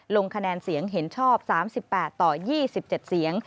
ลงคะแนนเสียงเห็นชอบ๓๘ต่อ๒๗เสียง